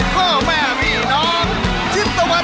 มาแล้ว